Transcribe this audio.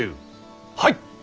はい！